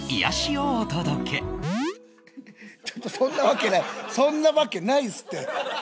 ちょっとそんなわけないそんなわけないですって！